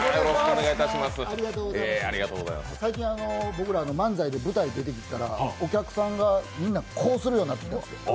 最近、僕ら漫才で舞台に出たらお客さんがみんなこうするようになってきたんですよ。